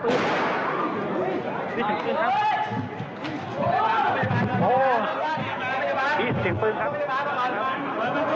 ผู้อยู่บนบน